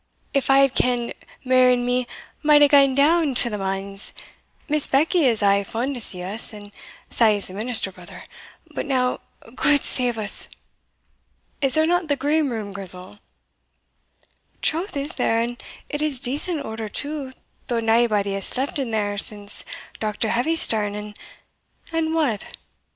If I had kenn'd, Mary and me might hae gaen down to the manse Miss Beckie is aye fond to see us (and sae is the minister, brother) But now, gude save us!" "Is there not the Green Room, Grizel?" "Troth is there, and it is in decent order too, though naebody has sleepit there since Dr. Heavysterne, and" "And what?"